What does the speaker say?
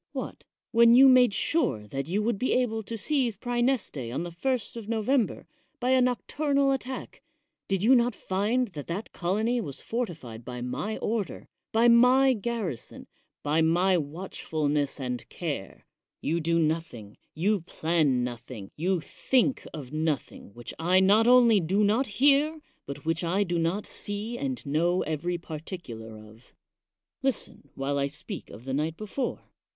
What? when you made sure that you would be able to seize Praeneste on the 1st of November by a noc turnal attack, did you not find that that colony was fortified by my order, by my garrison, by my watchfulness and care? You do nothing, you plan nothing, you think of nothing which I not only do not hear, but which I do not see and know every particular of. Listen while I speak of the night before.